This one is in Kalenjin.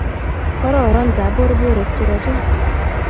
Kororon taborborik churachun